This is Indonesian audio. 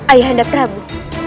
ayah anda prabu